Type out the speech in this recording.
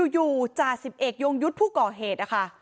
อยู่จสิบเอกยงยุทธ์ผู้ก่อเหตุ